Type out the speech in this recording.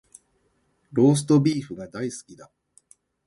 ローストビーフが大好きだ